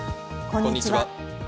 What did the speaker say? こんにちは。